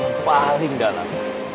yang paling dalam